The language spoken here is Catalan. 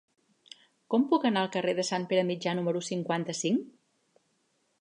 Com puc anar al carrer de Sant Pere Mitjà número cinquanta-cinc?